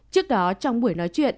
trước đó trong buổi nói chuyện